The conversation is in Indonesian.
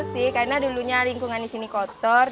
sih karena dulunya lingkungan di sini kotor